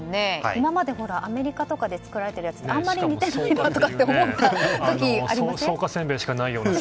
今まで、アメリカとかで作られているやつってあんまり似てないなとかって思った時ありません？